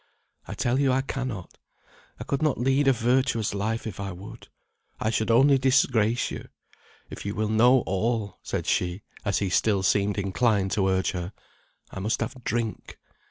"I tell you, I cannot. I could not lead a virtuous life if I would. I should only disgrace you. If you will know all," said she, as he still seemed inclined to urge her, "I must have drink.